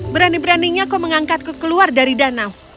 berani beraninya kau mengangkatku keluar dari danau